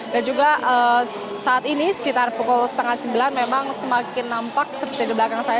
dan juga saat ini sekitar pukul setengah sembilan memang semakin nampak seperti di belakang saya